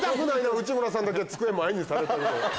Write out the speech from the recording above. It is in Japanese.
内村さんだけ机前にされてるの。